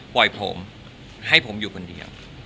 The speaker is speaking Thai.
ปล่อยผมให้ผมอยู่คนเดียว